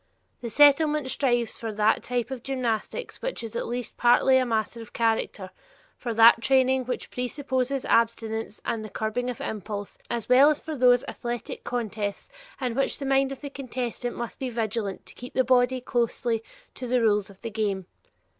The Settlement strives for that type of gymnastics which is at least partly a matter of character, for that training which presupposes abstinence and the curbing of impulse, as well as for those athletic contests in which the mind of the contestant must be vigilant to keep the body closely to the rules of the game.